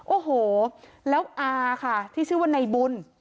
โอ้โหแล้วอาค่ะที่ชื่อว่าในบุญ